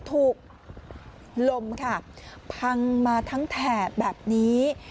ถูกลมค่ะพังมาทั้งแถบแบบนี้